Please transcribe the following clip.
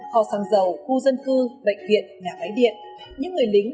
kho sàng dầu khu dân cư bệnh viện nhà máy điện